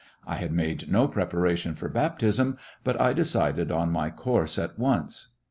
I had made no preparation for baptism, but I decided on my course at once.